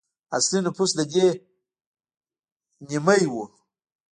اصلي نفوس د دې نیيي وو.